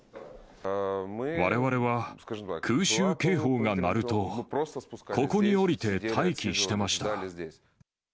われわれは、空襲警報が鳴ると、ここに下りて待機してました。